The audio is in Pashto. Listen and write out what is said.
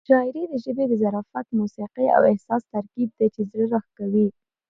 شاعري د ژبې د ظرافت، موسيقۍ او احساس ترکیب دی چې زړه راښکوي.